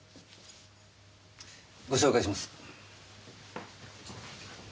ご紹介します。